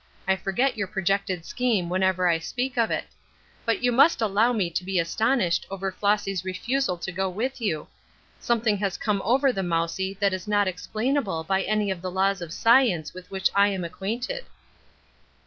I forget your projected scheme whenever I speak of it; but you must allow me to be astonished over Flossy's refusal to go with you. Something has come over the mousie that is not explainable by any of the laws of science with which I am acquainted."